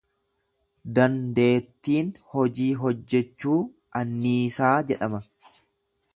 Dandeettiin hojii hojjechuu anniisaa jedhama.